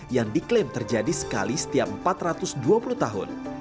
yang diklaim terjadi sekali setiap empat ratus dua puluh tahun